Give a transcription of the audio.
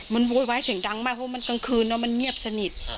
มันโวยวายเสียงดังมากเพราะมันกลางคืนมันเงียบสนิท